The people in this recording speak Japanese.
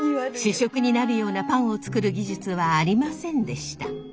主食になるようなパンを作る技術はありませんでした。